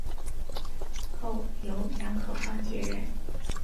后由杨可芳接任。